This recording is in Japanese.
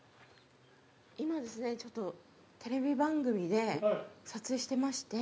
今ですねちょっとテレビ番組で撮影してまして。